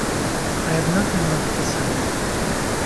I have nothing left to say.